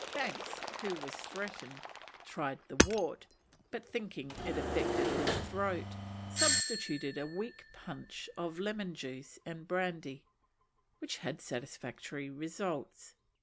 Banks, who was threatened, tried the wort, but thinking it affected his throat, substituted a weak punch of lemon juice and brandy, which had satisfactory results.